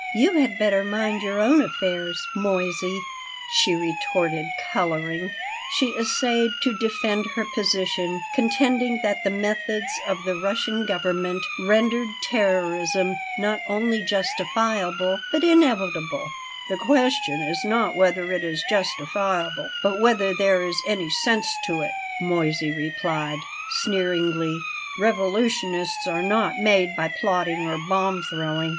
"You had better mind your own affairs, Moissey," she retorted, coloring She essayed to defend her position, contending that the methods of the Russian Government rendered terrorism not only justifiable, but inevitable "The question is not whether it is justifiable, but whether there is any sense to it," Moissey replied, sneeringly. "Revolutions are not made by plotting or bomb throwing.